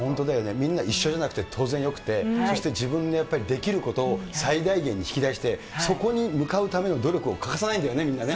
みんな一緒じゃなくて当然よくて、そして自分でやっぱりできることを最大限に引き出して、そこに向かうための努力を欠かさないんだよね、みんなね。